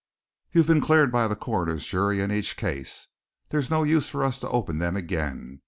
"You've been cleared by the coroner's jury in each case, there's no use for us to open them again.